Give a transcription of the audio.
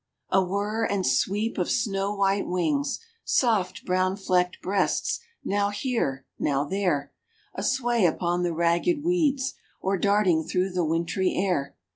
A whir and sweep of snow white wings, Soft brown flecked breasts, now here, now there A sway upon the ragged weeds Or darting through the wintry air.